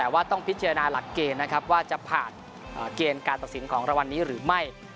ว่าจะผ่านเกณฑ์การตัดสินของราวรรณนี้หรือไม่